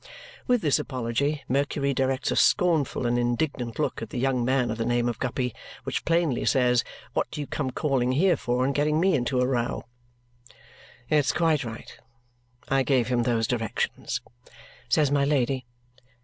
With this apology, Mercury directs a scornful and indignant look at the young man of the name of Guppy which plainly says, "What do you come calling here for and getting ME into a row?" "It's quite right. I gave him those directions," says my Lady.